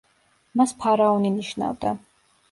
მას ფარაონი ნიშნავდა.